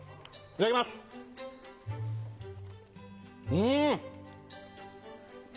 うん！